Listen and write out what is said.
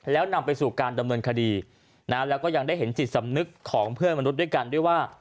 แล้วนำไปสู่การดำเนินคดีนะแล้วก็ยังได้เห็นจิตสำนึกของเพื่อนมนุษย์ด้วยกันด้วยว่า